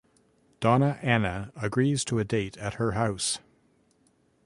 Donna Anna agrees to a date at her house.